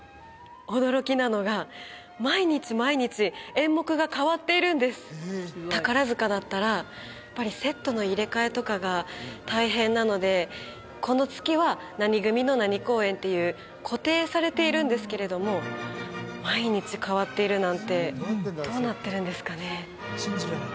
驚きなのが毎日毎日演目が変わっているんです宝塚だったらやっぱりセットの入れ替えとかが大変なのでこの月は何組の何公演っていう固定されているんですけれども毎日変わっているなんてどうなってるんですかね？